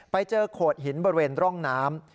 โขดหินบริเวณร่องน้ำ